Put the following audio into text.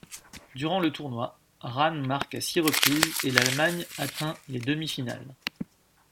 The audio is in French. Durant le tournoi, Rahn marque à six reprises et l'Allemagne atteint les demi-finales.